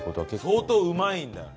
相当うまいんだよ。